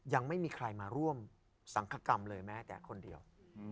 ยังไม่มีใครมาร่วมสังคกรรมเลยแม้แต่คนเดียว